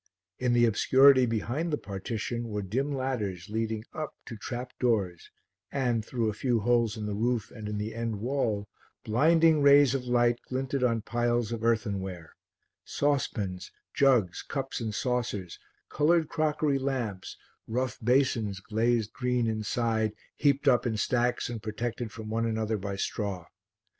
In the obscurity behind the partition were dim ladders leading up to trap doors and, through a few holes in the roof and in the end wall, blinding rays of light glinted on piles of earthenware saucepans, jugs, cups and saucers, coloured crockery lamps, rough basins glazed green inside, heaped up in stacks and protected from one another by straw.